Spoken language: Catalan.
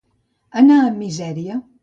Anar amb misèria.